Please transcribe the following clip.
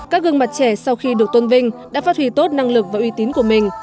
các gương mặt trẻ sau khi được tôn vinh đã phát huy tốt năng lực và uy tín của mình